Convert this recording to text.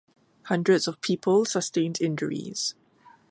Hundreds of people sustained injuries.